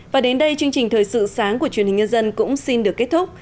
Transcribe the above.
và đến đây chương trình thời sự sáng của truyền hình nhân dân cũng xin được kết thúc